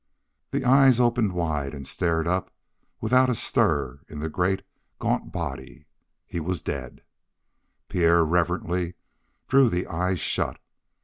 The eyes opened wide and stared up; without a stir in the great, gaunt body, he was dead. Pierre reverently drew the eyes shut.